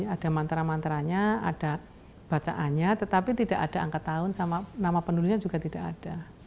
ada mantra mantranya ada bacaannya tetapi tidak ada angka tahun sama nama penulisnya juga tidak ada